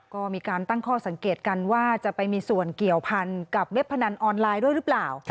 ก็มีการตั้งข้อสังเกตกันว่าจะไปมีส่วนเกี่ยวพันกับเว็บพนันออนไลน์ด้วยหรือเปล่า